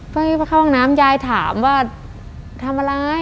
เพื่อเข้าห้องน้ำยายถามว่าทำอะไร